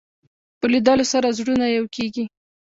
په لیدلو سره زړونه یو کېږي